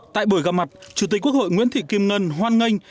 tại buổi gặp mặt chủ tịch quốc hội nguyễn thị kim ngân hoan nghênh